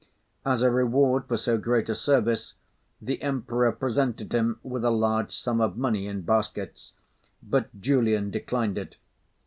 As a reward for so great a service, the Emperor presented him with a large sum of money in baskets; but Julian declined it.